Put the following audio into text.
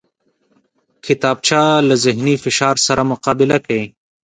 کتابچه له ذهني فشار سره مقابله کوي